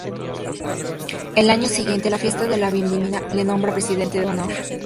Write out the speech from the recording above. El año siguiente la Fiesta de la Vendimia le nombra Presidente de Honor.